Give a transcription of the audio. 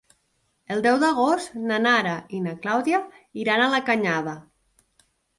El deu d'agost na Nara i na Clàudia iran a la Canyada.